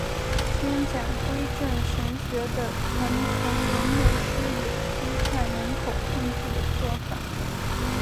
宣讲归正神学的唐崇荣牧师也批判人口控制的做法。